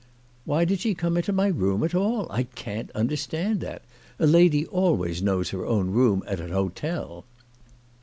" Why did she come into my room at all ? I can't understand that. A lady always knows her own room at an hotel."